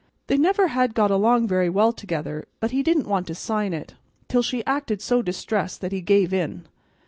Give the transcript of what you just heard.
They never had got along very well together, but he didn't want to sign it, till she acted so distressed that he gave in.